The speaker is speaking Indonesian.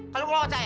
kalau gue mau caya